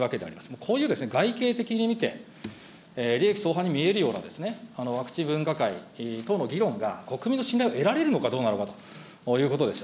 こういう外形的に見て、利益相反に見えるようなワクチン分科会等の議論が、国民の信頼を得られるのかどうなのかということですよ。